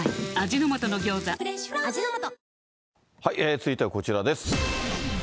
続いてはこちらです。